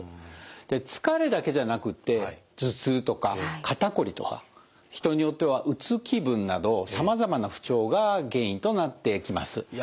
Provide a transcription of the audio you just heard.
で疲れだけじゃなくって頭痛とか肩こりとか人によってはうつ気分などさまざまな不調が原因となってきます。